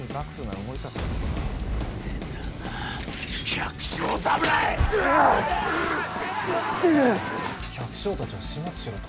百姓たちを始末しろと？